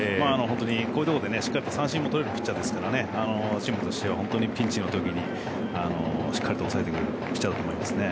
こういうところでしっかりと三振もとれるピッチャーなのでチームとしては本当にピンチの時にしっかり抑えてくれるピッチャーだと思います。